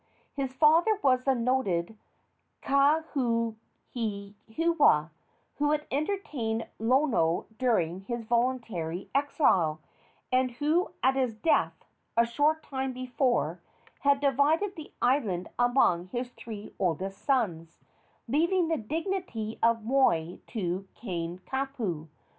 His father was the noted Kakuhihewa, who had entertained Lono during his voluntary exile, and who at his death, a short time before, had divided the island among his three oldest sons, leaving the dignity of moi to Kanekapu.